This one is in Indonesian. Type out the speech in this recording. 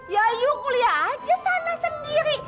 ya ayo kuliah aja sana sendiri